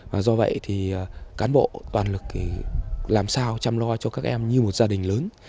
và do vậy thì cán bộ toàn lực thì làm sao chăm lo cho các em như một gia đình lớn